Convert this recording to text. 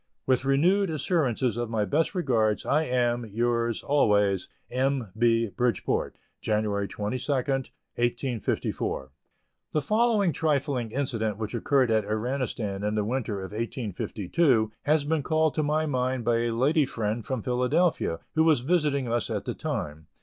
With renewed assurances of my best regards, I am, yours, always, M. B. BRIDGEPORT, January 22, 1854. The following trifling incident which occurred at Iranistan in the winter of 1852, has been called to my mind by a lady friend from Philadelphia, who was visiting us at the time.